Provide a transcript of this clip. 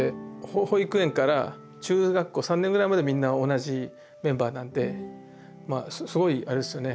保育園から中学校３年ぐらいまでみんな同じメンバーなんでまあすごいあれですよね